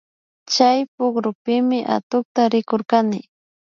Chay pukrupimi atukta rikurkani